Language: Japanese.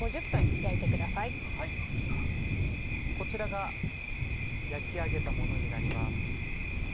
こちらが焼き上げたものになります。